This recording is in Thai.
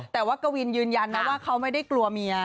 แต่ว่ากวินยืนยันนะว่าเขาไม่ได้กลัวเมีย